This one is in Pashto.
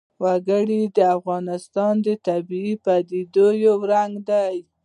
وګړي د افغانستان د طبیعي پدیدو یو رنګ دی.